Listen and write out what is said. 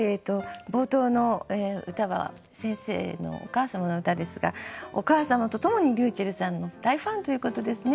冒頭の歌は先生のお母様の歌ですがお母様と共にりゅうちぇるさんの大ファンということですね。